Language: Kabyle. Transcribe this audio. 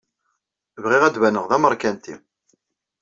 Bɣiɣ ad d-baneɣ d ameṛkanti.